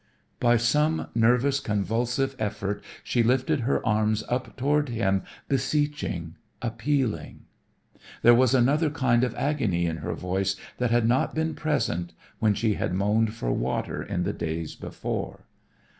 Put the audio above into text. By some nervous convulsive effort she lifted her arms up toward him beseeching, appealing. There was another kind of agony in her voice that had not been present when she had moaned for water in the days before.